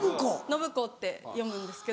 暢子って読むんですけど。